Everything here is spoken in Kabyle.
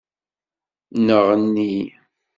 Nneɣni.